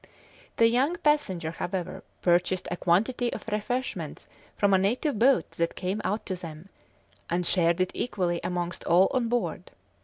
The young passenger, however, purchased a quantity of refreshments from a native boat that came out to them, and shared it equally amongst all on board.